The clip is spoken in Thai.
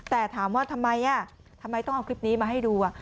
แต่ถามว่าทำไมทำไมต้องเอาคลิปนี้มาให้ดู